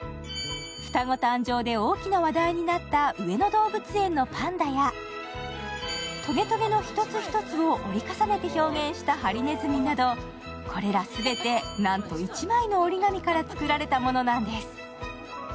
双子誕生で大きな話題になった上野動物園のパンダや、トゲトゲの一つ一つを折り重ねて表現したはりねずみなど、これら全てなんと１枚の折り紙から作られたものなんです。